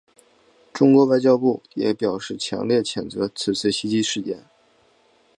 中国外交部也表示强烈谴责此次袭击事件。